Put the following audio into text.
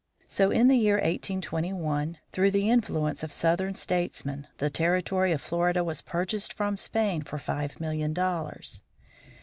So, in the year 1821, through the influence of Southern statesmen the territory of Florida was purchased from Spain for five million dollars.